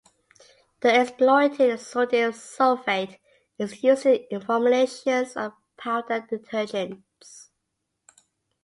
The exploited sodium sulfate is used in the formulations of powder detergents.